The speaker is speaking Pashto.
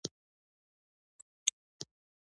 کتابچه د کور کار ثبتوي